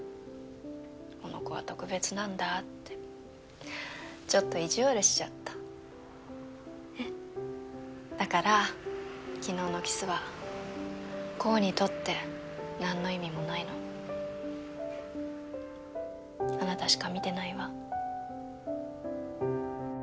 この子は特別なんだってちょっと意地悪しちゃったえっだから昨日のキスは煌にとって何の意味もないのあなたしか見てないわ